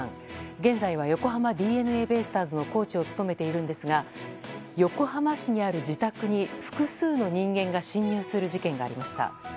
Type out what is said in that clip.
現在は横浜ＤｅＮＡベイスターズのコーチを務めているんですが横浜市にある自宅に複数の人間が侵入する事件がありました。